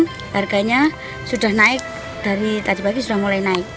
dan harganya sudah naik dari tadi pagi sudah mulai naik